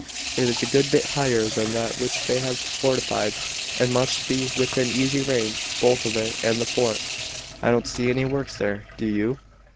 It is a good bit higher than that which they have fortified and must be within easy range both of it and the fort. I don't see any works there do you?"